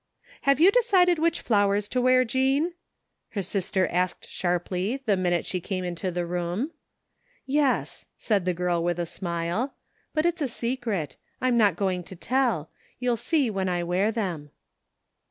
" Have you decided which flowers to wear, Jean? " her sister asked sharply the minute she came into the room. " Yes," said the girl with a smile, " but it'si a secret. I'm not going to tell. You will see when I wear thcm.'